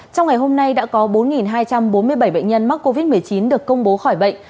trong ngày hôm nay đã có bốn hai trăm bốn mươi bảy bệnh nhân mắc covid một mươi chín được công bố khỏi bệnh